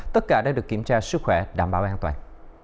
tất cả đã được kiểm tra sức khỏe đảm bảo an toàn